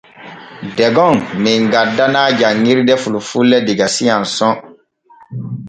Degon men gaddanaa janŋirde fulfulde diga S'ANSON.